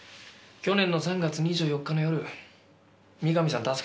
去年の３月２４日の夜三上さん